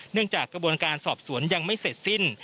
จากกระบวนการสอบสวนยังไม่เสร็จสิ้น